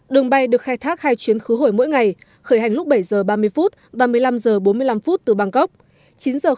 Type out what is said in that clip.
đường bay được khai thác hai chuyến khứ hồi mỗi ngày khởi hành lúc bảy h ba mươi phút và một mươi năm h bốn mươi năm từ bangkok